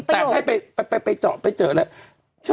แต่ให้กระโดไปเจอแล้ว